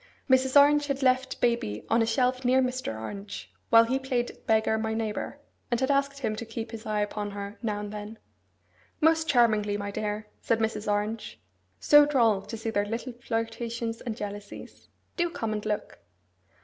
Mrs. Orange had left baby on a shelf near Mr. Orange while he played at beggar my neighbour, and had asked him to keep his eye upon her now and then. 'Most charmingly, my dear!' said Mrs. Orange. 'So droll to see their little flirtations and jealousies! Do come and look!